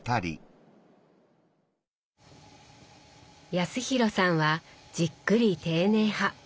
康廣さんはじっくり丁寧派。